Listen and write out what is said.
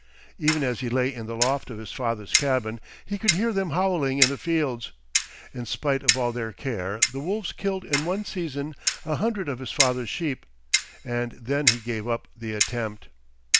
Even as he lay in the loft of his father's cabin he could hear them howling in the fields. In spite of all their care, the wolves killed in one season a hundred of his father's sheep, and then he gave up the attempt.